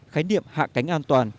khái niệm hạ cánh an toàn